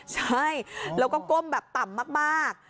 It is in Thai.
ใช่แล้วก็ก้มแบบต่ำมาก